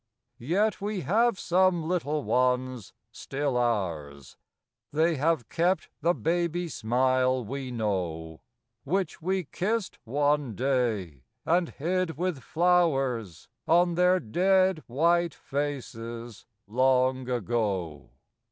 Yet we have some little ones, still ours ; They have kept the baby smile we know, Which we kissed one day, and hid with flowers, On their dead white faces, long ago.